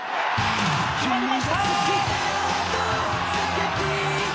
決まりました！